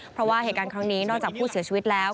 เพราะว่าเหตุการณ์ครั้งนี้นอกจากผู้เสียชีวิตแล้ว